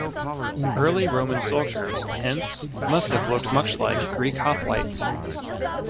Early Roman soldiers hence must have looked much like Greek hoplites.